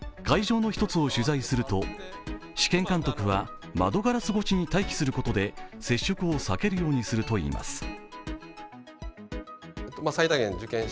会場の１つを取材すると試験監督は窓ガラス越しに待機することで接触を避けるようにするといいます。